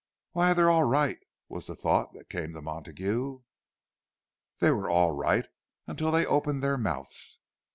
"Why, they're all right!" was the thought that came to Montague. They were all right until they opened their mouths.